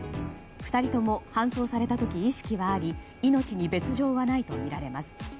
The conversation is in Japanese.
２人とも搬送された時意識はあり命に別条はないとみられます。